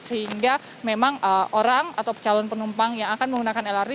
sehingga memang orang atau calon penumpang yang akan menggunakan lrt